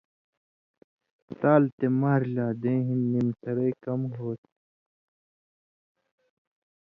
تال تے ماریۡ لا دیں ہِن نِم سرئ کم ہوتھی۔